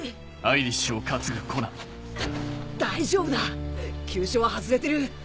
大丈夫だ急所は外れてる。